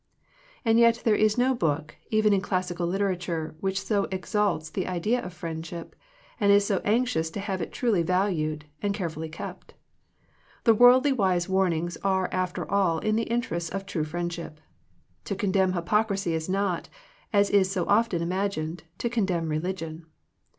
And yet there is no book, even in classical literature, which so exalts the idea of friendship, and is so anxious to have it truly valued, and carefully kept The worldly wise warnings are after all in the interests of true friendship. To condemn hypocrisy is not, as is so often imagined, to condemn religion.